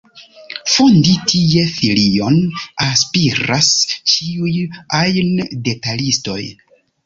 Fondi tie filion aspiras ĉiuj ajn detalistoj.